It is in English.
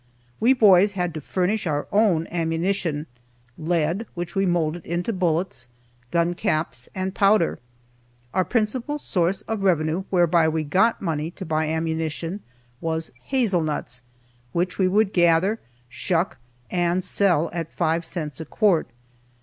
We boys had to furnish our own ammunition, lead (which we moulded into bullets), gun caps, and powder. Our principal source of revenue whereby we got money to buy ammunition was hazel nuts, which we would gather, shuck, and sell at five cents a quart.